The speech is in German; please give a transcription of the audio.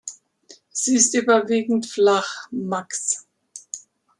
Sie ist überwiegend flach, max.